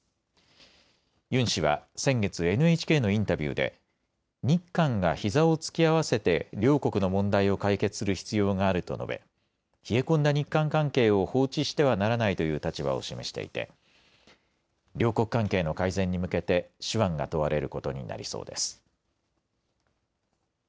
ユン氏は先月、ＮＨＫのインタビューで日韓がひざを突き合わせて両国の問題を解決する必要があると述べ冷え込んだ日韓関係を放置してはならないという立場を示していて両国関係の改善に向けて手腕が問われることになりそうです。